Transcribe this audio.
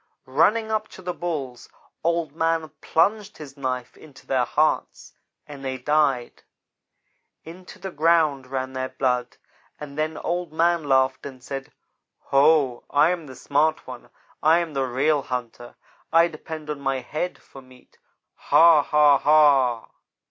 "Running up to the Bulls, Old man plunged his knife into their hearts, and they died. Into the ground ran their blood, and then Old man laughed and said: 'Ho, I am the smart one. I am the real hunter. I depend on my head for meat ha! ha! ha!'